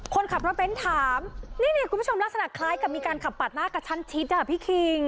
คนขับรถเบ้นถามนี่นี่คุณผู้ชมลักษณะคล้ายกับมีการขับปาดหน้ากระชั้นชิดอ่ะพี่คิง